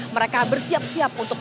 mereka bersiap siap untuk